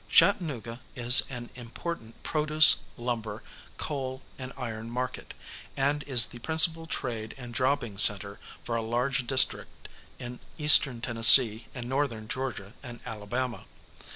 Chattanooga is an important produce, lumber, coal and iron market, and is the principal trade and jobbing centre for a large district in Eastern Tennessee and Northern Georgia and Alabama.